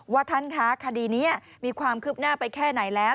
ว่าท่านคะคดีนี้มีความคืบหน้าไปแค่ไหนแล้ว